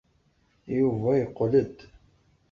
Yuba yeqqel-d.